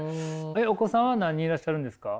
お子さんは何人いらっしゃるんですか？